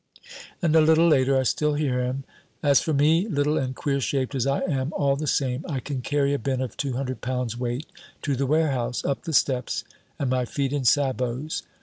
And a little later I still hear him: "As for me, little and queer shaped as I am, all the same I can carry a bin of two hundred pounds' weight to the warehouse, up the steps, and my feet in sabots.